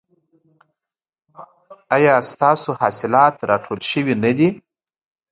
ایا ستاسو حاصلات راټول شوي نه دي؟